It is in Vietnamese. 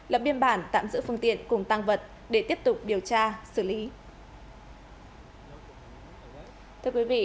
lập biên bản tạm giữ phương tiện cùng tăng vật để tiếp tục điều tra xử lý